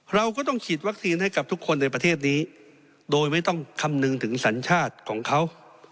เราก็ต้องฉีดวัคซีนให้กับทุกคนในประเทศนี้โดยไม่ต้องคำนึงถึงสัญชาติของเขา